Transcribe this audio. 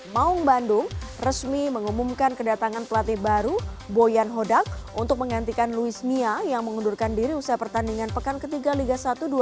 maung bandung resmi mengumumkan kedatangan pelatih baru boyan hodak untuk menghentikan luis mia yang mengundurkan diri usai pertandingan pekan ketiga liga satu dua ribu dua puluh tiga dua ribu dua puluh empat